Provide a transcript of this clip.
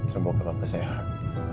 semoga bapak sehat